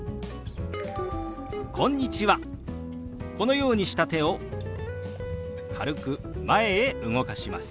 このようにした手を軽く前へ動かします。